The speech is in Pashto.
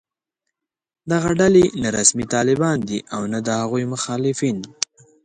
دغه ډلې نه رسمي طالبان دي او نه د هغوی مخالفان